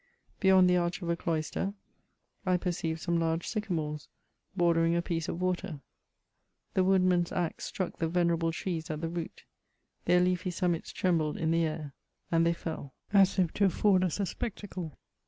Beyond the arch of a cloister, I perceived some large sycamores, bordering a piece of water : the woodman's axe struck the venerable trees at the root, their leafy summits trembled in the air, and they fell, * Memoirs of the President de Lamoignon. 94 MEMOIRS OF as if to afford us a spectacle.